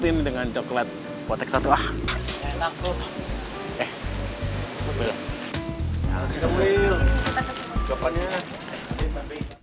terbukti dengan coklat potek satu ah enak tuh eh